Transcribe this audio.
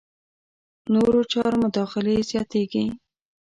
نورو چارو مداخلې زیاتېږي.